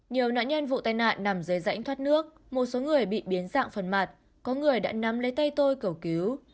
nhiều nạn nhân vụ tai nạn nằm dưới rãnh thoát nước một số người bị biến dạng phần mặt có người đã nắm lấy tay tôi cầu cứu